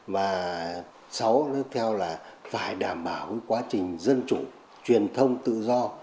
và sáu nó theo là phải đảm bảo cái quá trình dân chủ truyền thông tự do